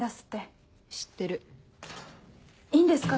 いいんですか？